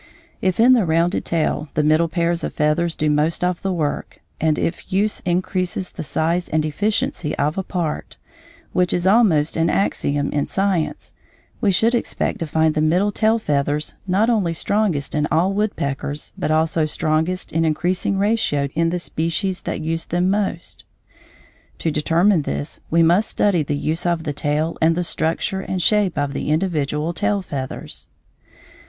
If in the rounded tail the middle pairs of feathers do most of the work, and if use increases the size and efficiency of a part, which is almost an axiom in science, we should expect to find the middle tail feathers not only strongest in all woodpeckers but also strongest in increasing ratio in the species that use them most. To determine this we must study the use of the tail and the structure and shape of the individual tail feathers.